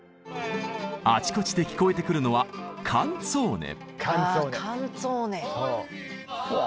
あちこちで聞こえてくるのはうわ